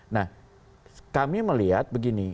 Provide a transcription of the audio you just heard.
nah kami melihat begini